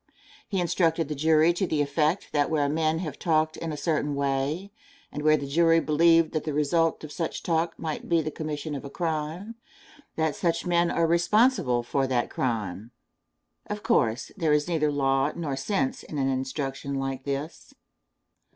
He instructed the jury to the effect that where men have talked in a certain way, and where the jury believed that the result of such talk might be the commission of a crime, that such men are responsible for that crime. Of course, there is neither law nor sense in an instruction like this.